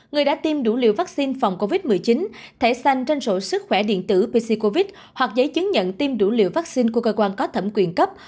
người đã tiêm đủ liều vắc xin phòng covid một mươi chín thẻ xanh tranh sổ sức khỏe điện tử pc covid hoặc giấy chứng nhận tiêm đủ liều vắc xin của cơ quan có thẩm quyền cấp